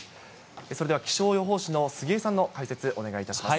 それでは気象予報士の杉江さんの解説お願いいたします。